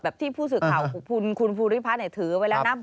ที่ผู้สื่อข่าวคุณภูริพัฒน์ถือไว้แล้วนะ